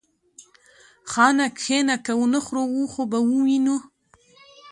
خان! کښينه که ونه خورو و خو به وينو.